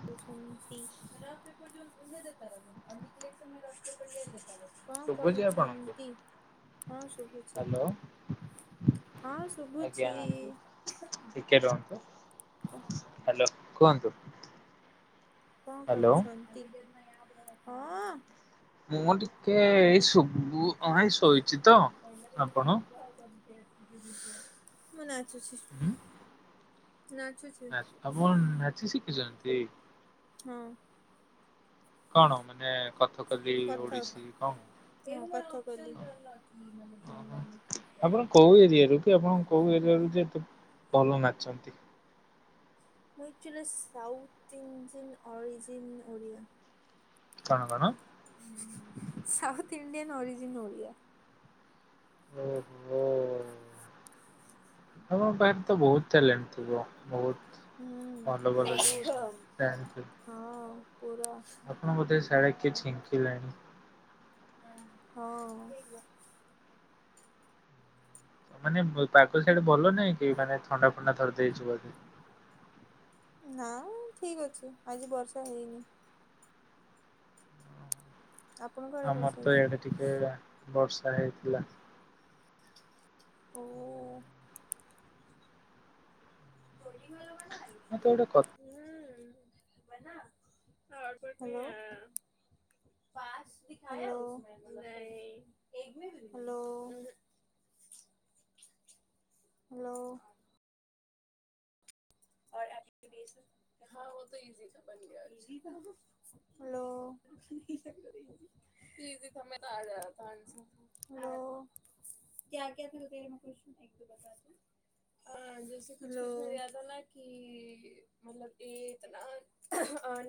[inaudible] କଣ କରୁଛନ୍ତି? ଶୁଭୁଛି ଆପଣଙ୍କୁ ହଁ ଶୁଭୁଛି। ହ୍ୟାଲୋ ହଁ, ଶୁଭୁଛି-ଇ। କେ ରୁହନ୍ତୁ। ହ୍ୟାଲୋ, କୁହନ୍ତୁ। କଁ ହ୍ୟାଲୋ କରୁଛନ୍ତି? ହଁ-ଅଁ। ମୁଁ ଟିକେ ଏଇ ଶବୁ ଏଇଁ ଶୋଇଚିଁ ତ, ଆପଣ? ମୁଁ, ନାଚୁଛି। ନାଚୁଚି ନାଚ୍ ଆପଣ ନାଚ ଶିଖିଚନ୍ତି? ହଁ। କଣ ମାନେ କଥକଲି, ଓଡିଶୀ କଂ [unintelligible] କଲି। ଓହୋ ଆପଣ କୋଉ ଏରିିଆରୁ? [unintelligible] ଆପଣ କୋଉ ଏରିଆରୁ ଯେ ଏତେ ଭଲ ନାଚନ୍ତି? ମୁଁ actually south Indian origin Oriya. କଣ କଣ? South Indian origin Odia. ଏ ପିଲେ ଆପଣଙ୍କ ପାଖରେ ତ ବହୁତ୍ ଟ୍ୟାଲେଣ୍ଟ ଥିବ, ବହୁତ୍। ହୁଁ ଭଲ ଭଲ ବହୁତ। ଜିନିଷ ଜାଣ୍ ଥିବେ। ହଁ, ପୁରା। ଆପଣ ବୋଧେ ସାଡେ କିଏ ଛିଙ୍କିଲାଣି! ହୁଁ, ହଁ। ମାନେ ପାଗ ସିଆଡେ ଭଲ ନାଇଁ କି? ମାନେ ଥଣ୍ଡା ଫଣ୍ଡା ଧର୍ ଦେଇଚି ବଧେ! ନାଁ ଠିକ୍ ଅଛି। ଆଜି ବର୍ଷା ହେଇନି। ଆପଣଙ୍କ ଆଡେ ଆମର ବର୍ଷା ତ ହେଇଛି? ୟାଡେ ଟିକେ ବର୍ଷା ହେଇଥିଲା। ଓ-ଓ। [unintelligible] ମତେ ଗୋଟେ କଥ୍ hello! Hello, hello! Hello! [unintelligible] Hello. Hello! Hello! [unintelligible]